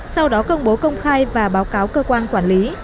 sau đó công bố công khai và báo cáo cơ quan quản lý